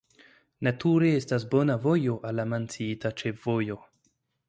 Nature estas bona vojo al la menciita ĉefvojo.